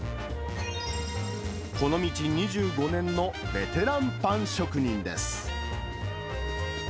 この道２５年のベテランパン職人です。